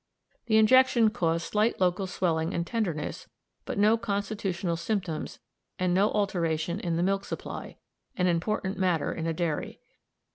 "The injection caused slight local swelling and tenderness, but no constitutional symptoms and no alteration in the milk supply, an important matter in a dairy.